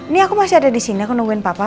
nih aku masih ada disini aku nungguin papa